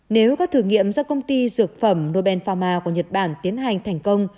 nếu các thử nghiệm do công ty dược phẩm nobel pharma của nhật bản tiến hành thành công